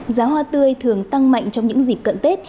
giá hoa tươi thường tăng mạnh trong những dịp cận tết